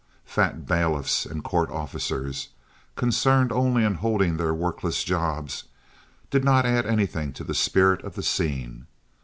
Fat bailiffs and court officers, concerned only in holding their workless jobs, did not add anything to the spirit of the scene.